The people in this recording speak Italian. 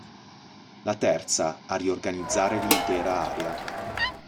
La terza, a riorganizzare l'intera area.